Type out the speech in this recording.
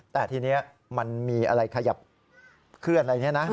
แต่ทีนี้มันมีอะไรขยับเคลื่อนอะไรเนี่ยนะ